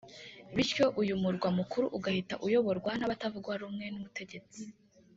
bityo uyu murwa mukuru ugahita uyoborwa n’abatavuga rumwe n’ubutegetsi